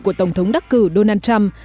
của tổng thống đắc cử donald trump